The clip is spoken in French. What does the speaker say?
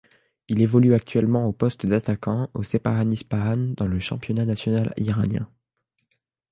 Il évolue actuellement au poste d'attaquant, au Sepahan Ispahan dans le championnat national iranien.